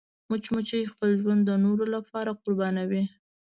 مچمچۍ خپل ژوند د نورو لپاره قربانوي